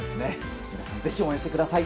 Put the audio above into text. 皆さん、ぜひ応援してください。